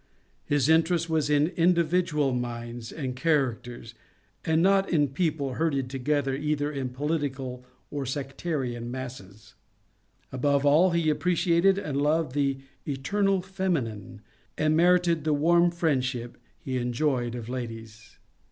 His interest was in individual minds and char acters, and not in people herded together either in political or sectarian masses. Above all he appreciated and loved the ^^ Eternal Feminine," and merited the warm friendship he enjoyed of ladies.